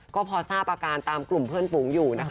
ก็พอทราบอาการตามกลุ่มเพื่อนฝูงอยู่นะคะ